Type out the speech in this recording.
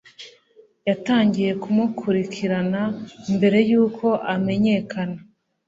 yatangiye kumukurikirana mbere yuko amenyekana